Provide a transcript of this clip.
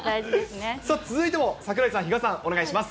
さあ、続いても櫻井さん、比嘉さん、お願いします。